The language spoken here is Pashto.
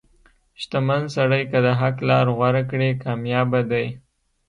• شتمن سړی که د حق لار غوره کړي، کامیابه دی.